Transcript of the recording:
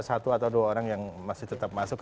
satu atau dua orang yang masih tetap masuk